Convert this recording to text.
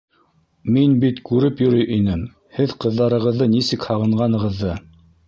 Мин бит күреп йөрөй инем, һеҙ ҡыҙҙарығыҙҙы нисек һағынғанығыҙҙы.